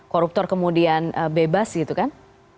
koruptor kemudian bebas gitu kan